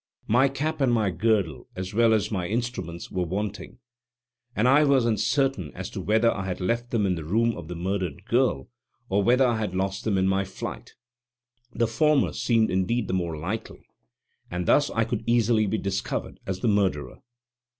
My cap and my girdle, as well as my instruments, were wanting, and I was uncertain as to whether I had left them in the room of the murdered girl, or whether I had lost them in my flight. The former seemed indeed the more likely, and thus I could easily be discovered as the murderer.